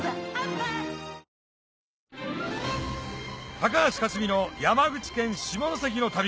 高橋克実の山口県下関の旅